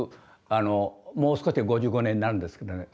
もう少しで５５年になるんですけどね